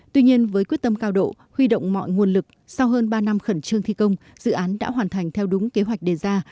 tuy nhiên với quyết tâm cao độ huy động mọi nguồn lực sau hơn ba năm khẩn trương thi công dự án đã hoàn thành theo đúng kế hoạch đề ra